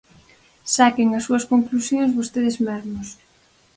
Saquen as súas conclusións vostedes mesmos.